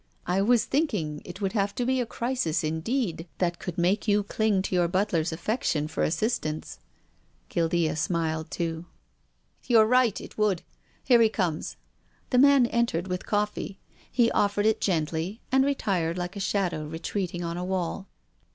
" I was thinking it would have to be a crisis indeed that could make you cling to your butler's affection for assistance." Guildea smiled too. 278 TONGUES OF CONSCIENCE. " You're right. It would. Here he comes." The man entered with coffee. He offered it gently, and retired like a shadow retreating on a wall.